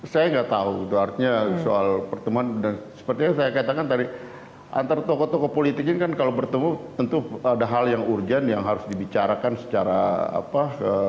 saya nggak tahu itu artinya soal pertemuan dan seperti yang saya katakan tadi antara tokoh tokoh politik ini kan kalau bertemu tentu ada hal yang urgent yang harus dibicarakan secara apa